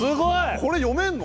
これ読めんの？